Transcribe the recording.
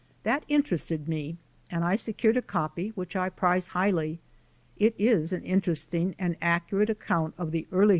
That interested me and I secured a copy which I prize highly. It is an interesting and accurate account of the early 584 D.